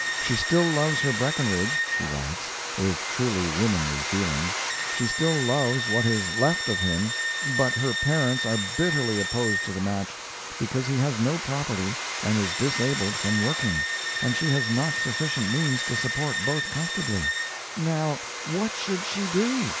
She still loves her Breckinridge, she writes, with truly womanly feeling she still loves what is left of him but her parents are bitterly opposed to the match, because he has no property and is disabled from working, and she has not sufficient means to support both comfortably. "Now, what should she do?"